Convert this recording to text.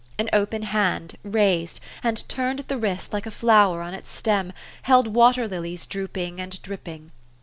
An open hand, raised, and turned at the wrist like a flower on its stem, held water lilies drooping and dripping.